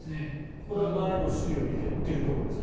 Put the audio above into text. これは前の週より減っているところです。